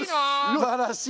すばらしい。